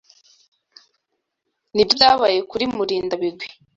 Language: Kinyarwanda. Nibyo byabaye kuri Murindabigwi?